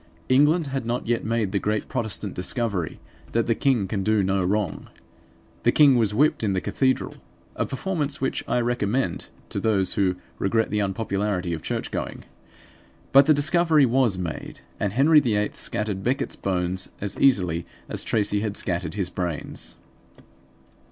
England had not yet made the great Protestant discovery that the king can do no wrong. The king was whipped in the cathedral; a performance which I recommend to those who regret the unpopularity of church going. But the discovery was made; and Henry VIII scattered Becket's bones as easily as Tracy had scattered his brains.